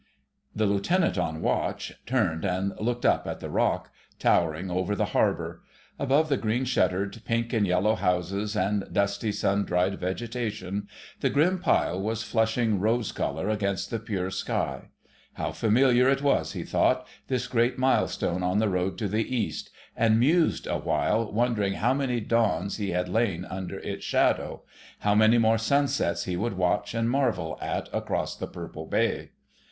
The Lieutenant on watch turned and looked up at the Rock, towering over the harbour. Above the green shuttered, pink and yellow houses, and dusty, sun dried vegetation, the grim pile was flushing rose colour against the pure sky. How familiar it was, he thought, this great milestone on the road to the East, and mused awhile, wondering how many dawns he had lain under its shadow: how many more sunsets he would watch and marvel at across the purple Bay.